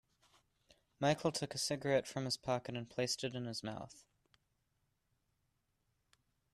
Michael took a cigarette from his pocket and placed it in his mouth.